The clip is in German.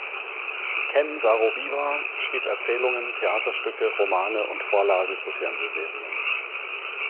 Ken Saro-Wiwa schrieb Erzählungen, Theaterstücke, Romane und Vorlagen zu Fernsehserien.